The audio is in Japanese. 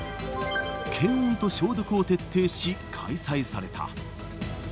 検温と消毒を徹底し、開催された。